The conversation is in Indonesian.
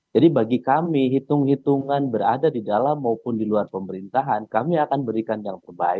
jadi bagi kami hitung hitungan berada di dalam maupun di luar pemerintahan kami akan berikan yang terbaik